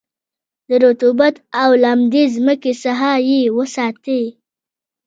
د رطوبت او لمدې مځکې څخه یې وساتی.